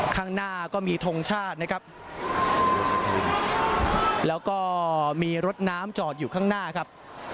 ข้างหน้าก็มีทงชาตินะครับแล้วก็มีรถน้ำจอดอยู่ข้างหน้าครับ